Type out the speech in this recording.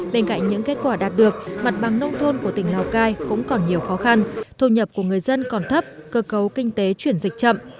bên cạnh những kết quả đạt được mặt bằng nông thôn của tỉnh lào cai cũng còn nhiều khó khăn thu nhập của người dân còn thấp cơ cấu kinh tế chuyển dịch chậm